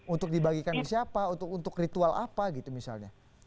untuk dibagikan siapa untuk ritual apa gitu misalnya